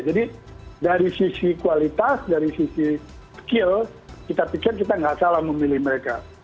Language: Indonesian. jadi dari sisi kualitas dari sisi skill kita pikir kita nggak salah memilih mereka